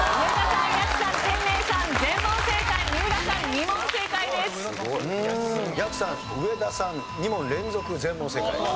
やくさん上田さん２問連続全問正解。